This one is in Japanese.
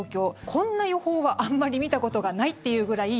こんな予報はあんまり見たことがないっていうくらい。